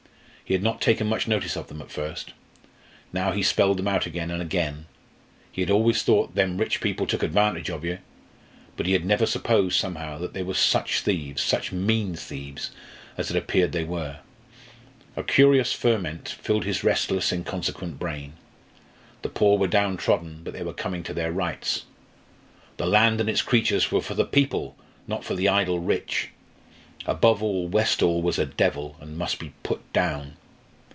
He had not taken much notice of them at first. Now he spelled them out again and again. He had always thought "them rich people took advantage of yer." But he had never supposed, somehow, they were such thieves, such mean thieves, as it appeared, they were. A curious ferment filled his restless, inconsequent brain. The poor were downtrodden, but they were coming to their rights. The land and its creatures were for the people! not for the idle rich. Above all, Westall was a devil, and must be put down.